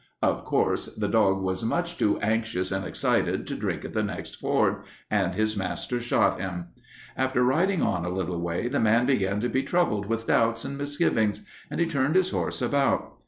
"Of course, the dog was much too anxious and excited to drink at the next ford, and his master shot him. After riding on a little way the man began to be troubled with doubts and misgivings, and he turned his horse about.